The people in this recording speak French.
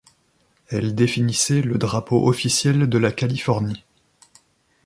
Elle définissait le drapeau officiel de la Californie.